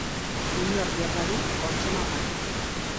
Inork behar badu, hortxe mapa.